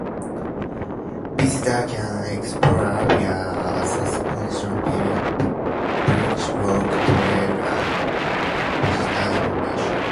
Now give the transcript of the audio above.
Visitors can explore via a suspension bridge, walk trails and visitor information.